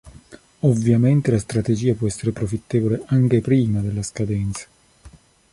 Ovviamente la strategia può esser profittevole anche prima della scadenza.